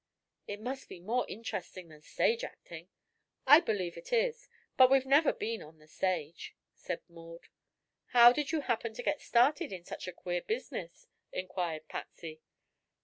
"It must be more interesting than stage acting." "I believe it is. But we've never been on the stage," said Maud. "How did you happen to get started in such a queer business?" inquired Patsy.